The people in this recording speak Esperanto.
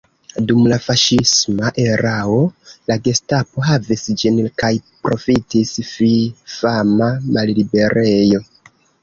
Dum la faŝisma erao la Gestapo havis ĝin kaj profitis fifama malliberejo.